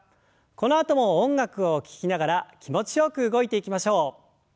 このあとも音楽を聞きながら気持ちよく動いていきましょう。